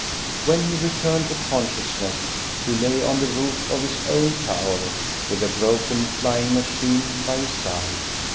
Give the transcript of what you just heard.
When he returned to consciousness he lay on the roof of his own tower, with the broken flying machine by his side.